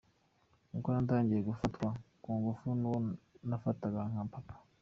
Uko natangiye gufatwa ku ngufu n’uwo nafataga nka papa.